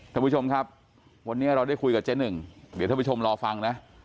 ท่านผู้ชมครับวันนี้เราได้คุยกับเจ๊หนึ่งเดี๋ยวท่านผู้ชมรอฟังนะ